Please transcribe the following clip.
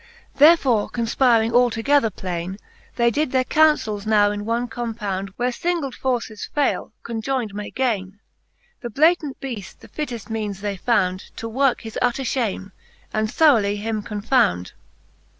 Therefore confpiring all together plaine. They did their counfels now in one compound ; Where Angled forces faile, conjoynd may gaine. The Blatant Beaft the fitteft meanes they found, To worke his utter fliame, and throughly him confound.